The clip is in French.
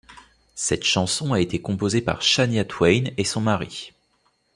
Cette chanson a été composée par Shania Twain et son mari.